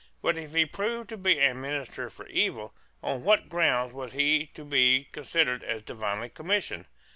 But if he proved to be a minister for evil, on what grounds was he to be considered as divinely commissioned?